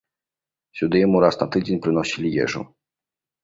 Сюды яму раз на тыдзень прыносілі ежу.